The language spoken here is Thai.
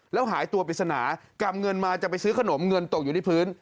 แล้วหายตัวปริศนากำเงินมาจะไปซื้อขนมเงินตกอยู่ที่พื้น